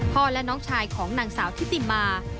และน้องชายของนางสาวทิติมา